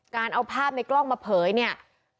การเอาภาพในกล้องมาเผยเนี่ย